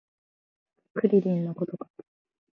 クリリンのことか